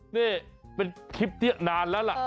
นี่เป็นคลิปนี้นานแล้วล่ะ